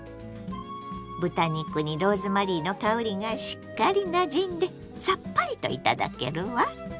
豚肉にローズマリーの香りがしっかりなじんでさっぱりといただけるわ。